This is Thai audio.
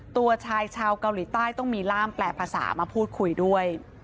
ตัวชายชาวเกาหลีใต้ต้องมีร่ามแปลภาษามาพูดคุยด้วย